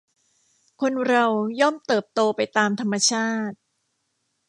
คนเราย่อมเติบโตไปตามธรรมชาติ